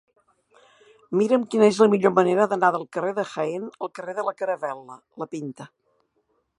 Mira'm quina és la millor manera d'anar del carrer de Jaén al carrer de la Caravel·la La Pinta.